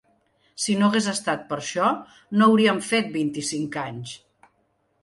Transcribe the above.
Si no hagués estat per això no hauríem fet vint-i-cinc anys!